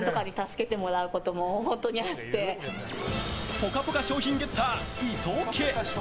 「ぽかぽか」商品ゲッター伊藤家。